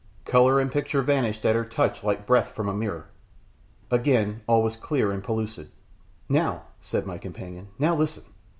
Colour and picture vanished at her touch like breath from a mirror. Again all was clear and pellucid. "Now," said my companion, "now listen!